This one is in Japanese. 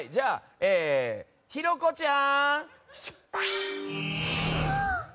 ひろこちゃん！